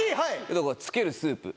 だから、つけるスープ。